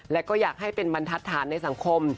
และก็อยากให้เป็นบรรทัศนในสังคม